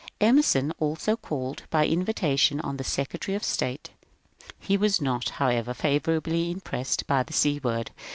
Emerson also called by invitation on the Secre tary of State. He was not, however, favourably impressed by Seward.